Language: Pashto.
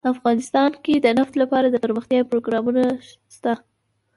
افغانستان کې د نفت لپاره دپرمختیا پروګرامونه شته.